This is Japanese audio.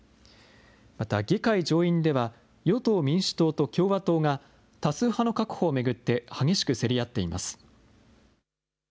また議会上院では、与党・民主党と共和党が、多数派の確保を巡って、激しく競り合っています。